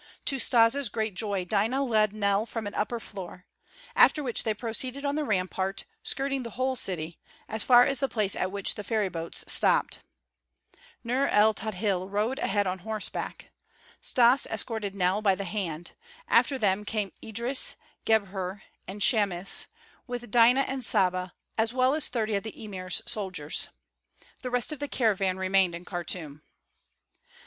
To Stas' great joy, Dinah led Nell from an upper floor; after which they proceeded on the rampart, skirting the whole city, as far as the place at which the ferry boats stopped. Nur el Tadhil rode ahead on horseback. Stas escorted Nell by the hand; after them came Idris, Gebhr, and Chamis, with Dinah and Saba, as well as thirty of the emir's soldiers. The rest of the caravan remained in Khartûm.